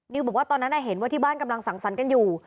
บอกว่าตอนนั้นเห็นว่าที่บ้านกำลังสั่งสรรค์กันอยู่